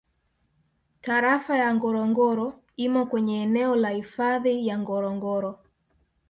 Tarafa ya Ngorongoro imo kwenye eneo la Hifadhi ya Ngorongoro